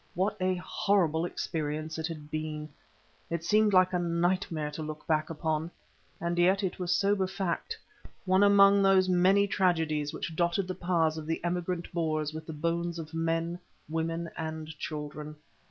What a horrible experience it had been! It seemed like a nightmare to look back upon. And yet it was sober fact, one among those many tragedies which dotted the paths of the emigrant Boers with the bones of men, women, and children.